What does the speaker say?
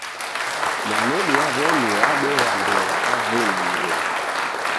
Mwanedu wa w'omi wadegha mbew'a kavui na mruma.